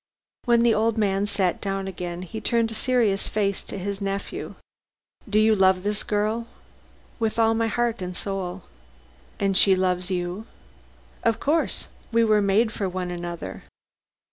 When the old man sat down again he turned a serious face to his nephew. "Do you love this girl?" "With all my heart and soul." "And she loves you?" "Of course. We were made for one another."